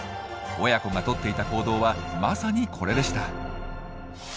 親子がとっていた行動はまさにこれでした。